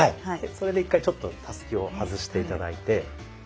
それで一回ちょっとたすきを外して頂いて。